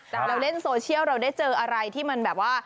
เราเล่นโซเชียลเราได้เจออะไรที่มันแบบว่า